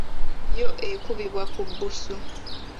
Yo ekubibwa ku bbusu.